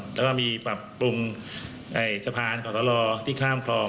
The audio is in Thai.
แล้วมีปรับปรุงในสะพานเกาะสละล่อที่ข้ามครอง